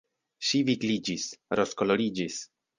Ŝi vigliĝis, rozkoloriĝis.